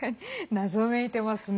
謎めいてますね。